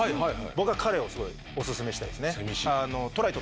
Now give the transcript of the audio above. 僕は彼をすごいオススメしたいですね。